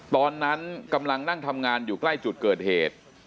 ตอนนั้นกำลังนั่งทำงานอยู่ใกล้จุดเกิดเหตุ